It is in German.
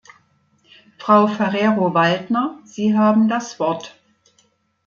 Frau Ferrero-Waldner, Sie haben das Wort.